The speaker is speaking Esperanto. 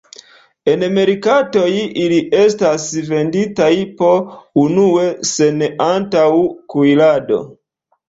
En merkatoj, ili estas venditaj po unue, sen antaŭ-kuirado.